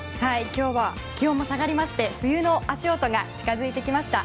今日は気温も下がりまして冬の足音も聞こえてきました。